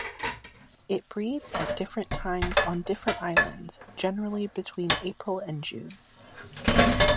It breeds at different times on different islands, generally between April and June.